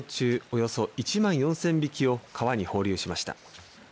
およそ１万４０００匹を川に放流しました。